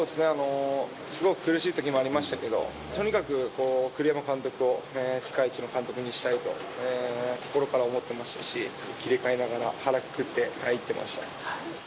すごく苦しいときもありましたけど、とにかく栗山監督を世界一の監督にしたいと心から思ってましたし、切り替えながら、腹くくって入ってました。